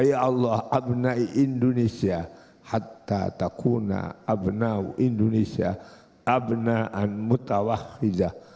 ya allah abnai indonesia hatta takuna abna'u indonesia abna'an mutawakhidah